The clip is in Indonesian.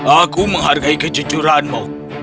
aku menghargai kejujuranmu